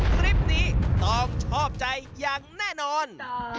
คลิปนี้ต้องชอบใจอย่างแน่นอน